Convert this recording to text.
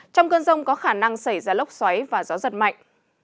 trong cơn rông có khả năng xảy ra lốc xoáy và gió giật mạnh